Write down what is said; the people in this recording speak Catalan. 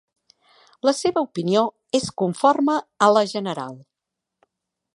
La seva opinió és conforme a la general.